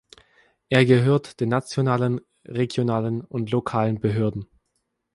Er gehört den nationalen, regionalen und lokalen Behörden.